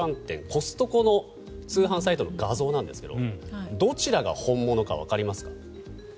コストコの通販サイトの画像ですがどちらが本物かわかりますか？